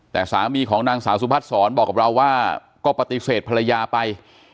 แต่สามีของนางสาวสุพัฒนศรบอกกับเราว่าก็ปฏิเสธภรรยาไป